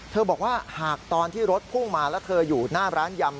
บอกว่าหากตอนที่รถพุ่งมาแล้วเธออยู่หน้าร้านยำ